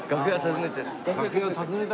楽屋訪ねて。